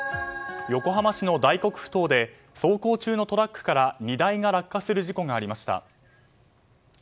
横浜市の大黒ふ頭で走行中のトラックから荷台が落下する事故がありました。